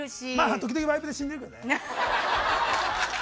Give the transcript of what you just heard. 時々ワイプで死んでるけどね。